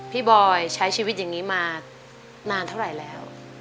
บอยใช้ชีวิตอย่างนี้มานานเท่าไหร่แล้ว